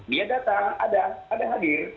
dia datang ada ada hadir